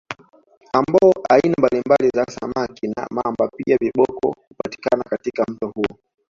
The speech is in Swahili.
Ambao aina mbalimbali za Samaki na Mamba pia viboko hupatikana katika mto huu